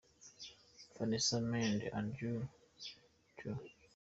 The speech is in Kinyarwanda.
Vanessa Mdee and Jux – Juu.